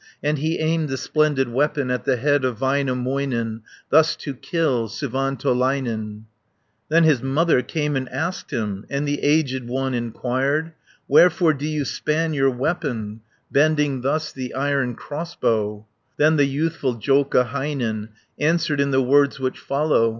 And he aimed the splendid weapon At the head of Väinämöinen, Thus to kill Suvantolainen. 100 Then his mother came and asked him, And the aged one inquired, "Wherefore do you span your weapon, Bending thus the iron crossbow?" Then the youthful Joukahainen Answered in the words which follow.